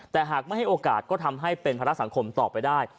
แต่หากไม่ให้โอกาสก็ทำให้เป็นภาระสังคมต่อไปได้